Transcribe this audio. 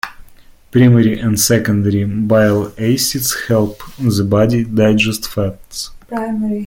Primary and secondary bile acids help the body digest fats.